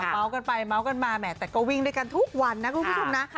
กันไปเมาส์กันมาแหมแต่ก็วิ่งด้วยกันทุกวันนะคุณผู้ชมนะ